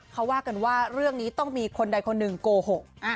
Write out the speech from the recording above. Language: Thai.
เขาว่ากันว่าเรื่องนี้ต้องมีคนใดคนหนึ่งโกหก